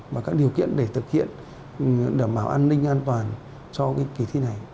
và các điều kiện để thực hiện đảm bảo an ninh an toàn cho cái kỳ thi này